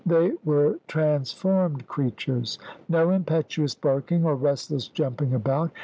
They were transformed creatures. No impetuous barking or restless jumping about.